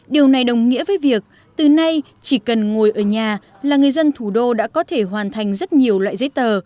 điều này đồng nghĩa với việc từ nay chỉ cần ngồi ở nhà là người dân thủ đô đã có thể hoàn thành rất nhiều loại giấy tờ